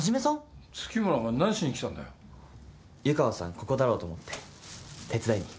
ここだろうと思って手伝いに。